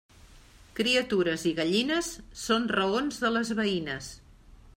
Criatures i gallines són raons de les veïnes.